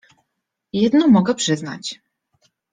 — Jedno mogę przyznać.